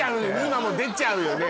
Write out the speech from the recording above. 今も出ちゃうよね